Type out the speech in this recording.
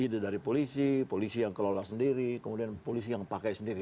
ide dari polisi polisi yang kelola sendiri kemudian polisi yang pakai sendiri